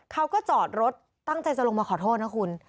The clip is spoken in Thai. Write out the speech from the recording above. เขาก็จอดรถตั้งใจจะลงมาขอโทษนะคุณ